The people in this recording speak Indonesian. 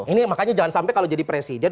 ini makanya jangan sampai kalau jadi presiden